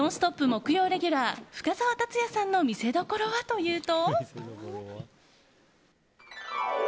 木曜レギュラー深澤辰哉さんの見せどころはというと。